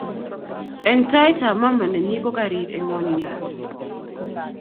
eng tait ab mama nenyin ko karir eng ngwanindo